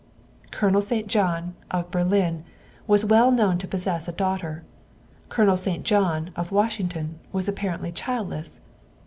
Colonel St. John, of Berlin, was well known to pos sess a daughter. Colonel St. John, of Washington, was apparently childless.